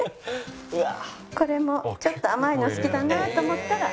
これもちょっと甘いの好きだなと思ったら。